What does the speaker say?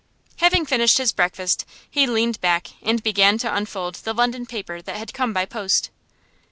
Having finished his breakfast, he leaned back and began to unfold the London paper that had come by post.